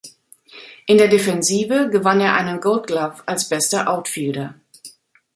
In der Defensive gewann er einen Gold Glove als bester Outfielder.